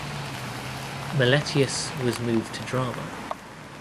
Meletius was moved to Drama.